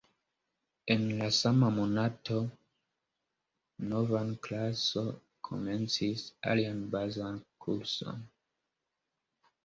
En la sama monato, nova klaso komencis alian bazan kurson.